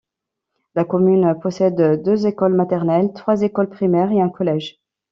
La commune possède deux écoles maternelles, trois écoles primaires et un collège.